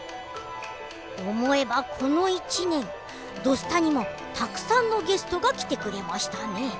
思えば、この１年「土スタ」にもたくさんのゲストが来てくれましたね。